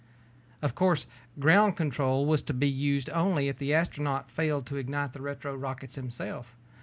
Of course, ground control was to be used only if the astronaut failed to ignite the retro rockets himself.